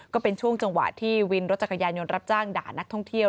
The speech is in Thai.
ก็เป็นช่วงจังหวะที่วินรถจักรยานยนต์รับจ้างด่านักท่องเที่ยว